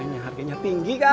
buat yang ini malang chilli